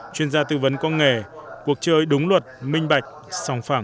chuyên gia tư vấn công nghệ cuộc chơi đúng luật minh bạch sòng phẳng